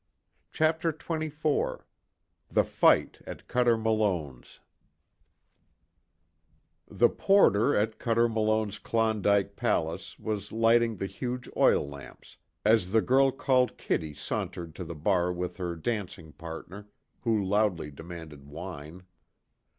CHAPTER XXIV THE FIGHT AT CUTER MALONE'S The porter at Cuter Malone's Klondike Palace was lighting the huge oil lamps as the girl called Kitty sauntered to the bar with her dancing partner who loudly demanded wine.